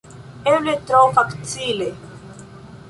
Eble tro facile.